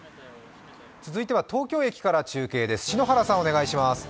続いては東京駅から中継です。